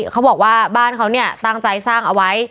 เขาบอกว่าบ้านเขาเนี่ยตั้งใจสร้างเอาไว้